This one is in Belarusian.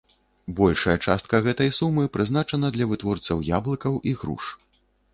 Большая частка гэтай сумы прызначана для вытворцаў яблыкаў і груш.